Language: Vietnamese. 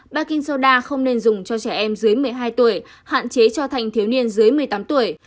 ba kingoda không nên dùng cho trẻ em dưới một mươi hai tuổi hạn chế cho thành thiếu niên dưới một mươi tám tuổi